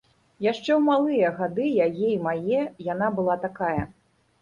Яшчэ ў малыя гады яе і мае яна была такая.